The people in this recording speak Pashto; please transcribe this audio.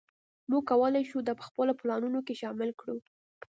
موږ کولی شو دا په خپلو پلانونو کې شامل کړو